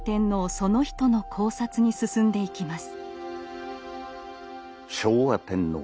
その人の考察に進んでいきます。